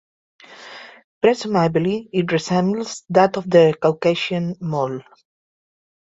Presumably it resembles that of the Caucasian mole.